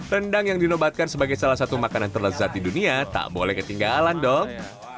rendang yang dinobatkan sebagai salah satu makanan terlezat di dunia tak boleh ketinggalan dong